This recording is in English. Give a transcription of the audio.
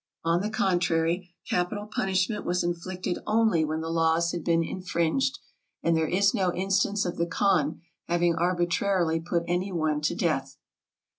On the contrary, capital punishment was inflicted only when the laws had been infringed ; and there is no instance of the khan having arbitrarily put any one to death.